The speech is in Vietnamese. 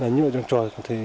nhúc ở trong trò